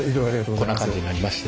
こんな感じになりまして。